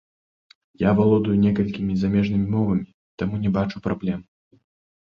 Я валодаю некалькімі замежнымі мовамі, таму не бачу праблем.